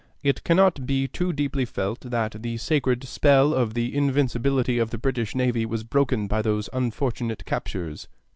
It cannot be too deeply felt that the sacred spell of the invincibility of the British navy was broken by those unfortunate captures."